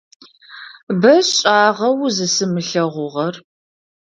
Бэшӏагъэ узысымылъэгъугъэр.